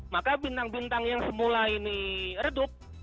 maka bintang bintang yang semula ini redup